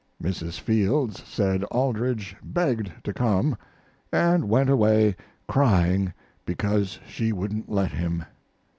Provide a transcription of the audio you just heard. Mrs. Fields said Aldrich begged to come, & went away crying because she wouldn't let him.